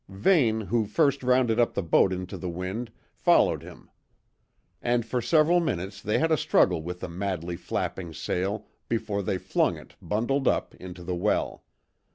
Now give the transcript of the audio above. Vane, who first rounded up the boat into the wind, followed him; and for several minutes they had a struggle with the madly flapping sail, before they flung it, bundled up, into the well.